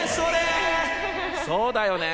そうだよね。